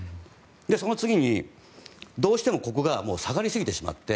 その次にどうしてもここが下がりすぎてしまって